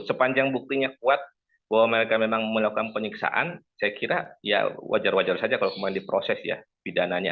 sepanjang buktinya kuat bahwa mereka memang melakukan penyiksaan saya kira ya wajar wajar saja kalau kemudian diproses ya pidananya